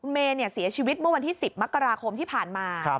เมย์เสียชีวิตเมื่อวันที่๑๐มกราคมที่ผ่านมา